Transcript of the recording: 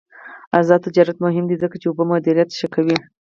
آزاد تجارت مهم دی ځکه چې اوبه مدیریت ښه کوي.